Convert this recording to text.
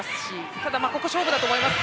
ただ、ここが勝負だと思います。